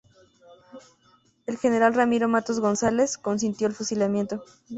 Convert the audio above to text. El general Ramiro Matos Gonzáles consintió el fusilamiento.